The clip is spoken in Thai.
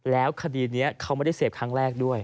แล้วคดีนี้เขาไม่ได้เสพครั้งแรกด้วย